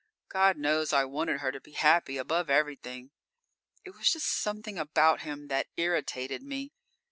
God knows I wanted her to be happy, above everything. It was just something about him that irritated me.